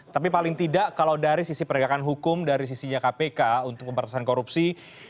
tapi paling tidak kalau dari sisi penegakan hukum dari sisinya kpk untuk pembatasan korupsi